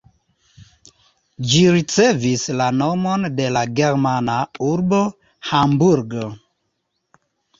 Ĝi ricevis la nomon de la germana urbo Hamburgo.